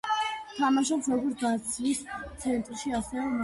თამაშობს როგორც დაცვის ცენტრში, ასევე მარცხენა ფლანგზე.